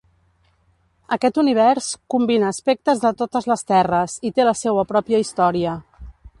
Aquest univers combina aspectes de totes les terres, i té la seua pròpia història.